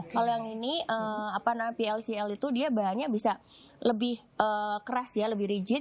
kalau yang ini plcl itu dia bahannya bisa lebih keras ya lebih rigid